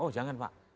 oh jangan pak